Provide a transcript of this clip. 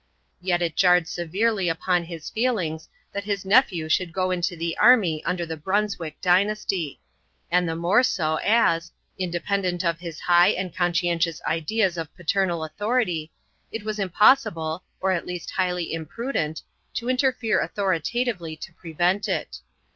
Yet it jarred severely upon his feelings, that his nephew should go into the army under the Brunswick dynasty; and the more so, as, independent of his high and conscientious ideas of paternal authority, it was impossible, or at least highly imprudent, to interfere authoritatively to prevent it.